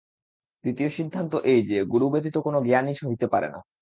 দ্বিতীয় সিদ্ধান্ত এই যে, গুরু ব্যতীত কোন জ্ঞানই হইতে পারে না।